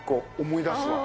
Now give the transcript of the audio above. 思い出すわ。